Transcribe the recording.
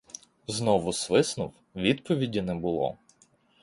Знову свиснув, — відповіді не було.